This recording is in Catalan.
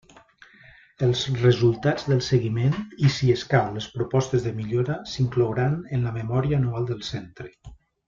Els resultats del seguiment i, si escau, les propostes de millora, s'inclouran en la memòria anual del centre.